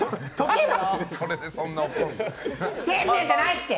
せんべいじゃないって！